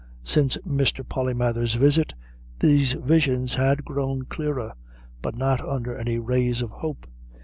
Since Mr. Polymathers's visit, these visions had grown clearer, but not under any rays of hope.